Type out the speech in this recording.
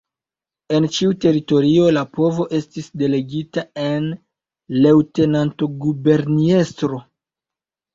En ĉiu teritorio la povo estis delegita en Leŭtenanto-Guberniestro.